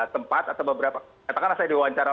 tempat atau beberapa katakanlah saya diwawancara